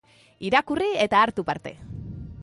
Irakurri eta hartu parte!